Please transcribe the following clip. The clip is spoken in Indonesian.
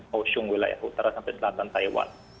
hoh shung wilayah utara sampai selatan taiwan